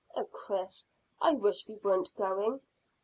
Oh, Chris, I wish we weren't going."